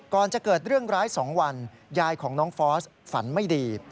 ก่อนจะเกิดเรื่องร้าย๒วันยายของน้องฟอสฝันไม่ดี